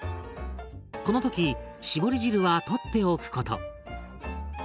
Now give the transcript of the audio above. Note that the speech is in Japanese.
この時絞り汁はとっておくこと。